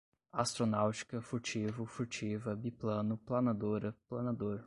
Astronáutica, furtivo, furtiva, biplano, planadora, planador